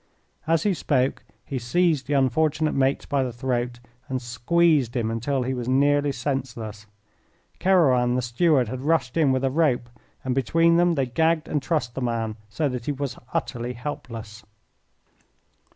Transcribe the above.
As he spoke he seized the unfortunate mate by the throat and squeezed him until he was nearly senseless. Kerouan, the steward, had rushed in with a rope, and between them they gagged and trussed the man, so that he was utterly helpless.